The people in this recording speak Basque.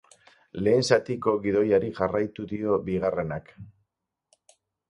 Lehen zatiko gidoiari jarraitu dio bigarrenak.